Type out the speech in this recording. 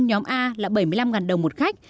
nhóm a là bảy mươi năm đồng một khách